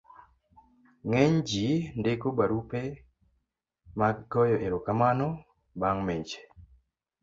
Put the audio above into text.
ng'eny ji ndiko barupe mag goyo erokamano bang' mich